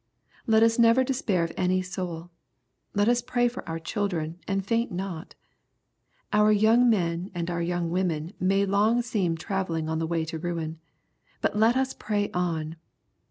Let us never despair of any soul. Let us pray for our children, and faint not. Our young men and our young women may long seem travelling on the way to ruin. But let us pray on.